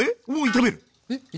炒める？